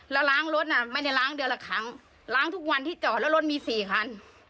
แล้วล้างรถน่ะไม่ได้ล้างเดือนละครั้งล้างทุกวันที่จอดแล้วรถมี๔คัน